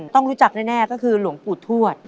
ต้องรู้จักแน่ก็คือหลวงปู่ทวด